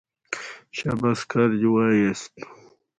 شاباس کار دې وایست.